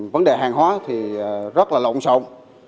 vấn đề hàng hóa thì rất là lộn xộn